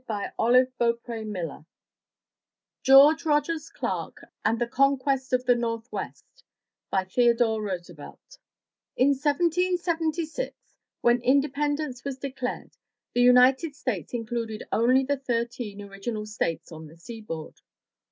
MY BOOK HOUSE GEORGE ROGERS CLARK AND THE CONQUEST OF THE NORTHWEST* Theodore Roosevelt N 1776, when independence was declared, the United States included only the thirteen original States on the sea board.